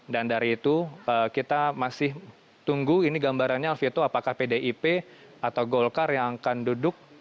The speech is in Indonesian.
dan dari itu kita masih tunggu ini gambarannya alvito apakah pdip atau golkar yang akan duduk